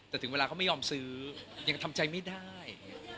แต่ถึงเวลาเขาไม่ยอมซื้อยังทำใจไม่ได้